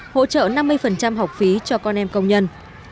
hỗ trợ năm mươi học phí cho con em công nhân